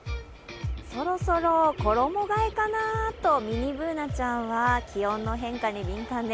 そろそろ衣がえかな？とミニＢｏｏｎａちゃんは気温の変化に敏感で